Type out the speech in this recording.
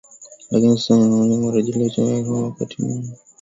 lakini sasa ninaona kuwa narejea kwenye utimamu wangu na